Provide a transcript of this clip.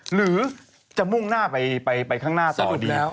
หรือจะมุ่งหน้าไปข้างหน้าต่อดี